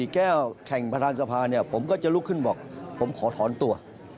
แก้วแข่งประธานสภาเนี่ยผมก็จะลุกขึ้นบอกผมขอถอนตัว